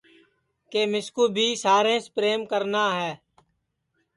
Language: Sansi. کہ مِسکُو بھی ساریںٚس پریم کرنا ہے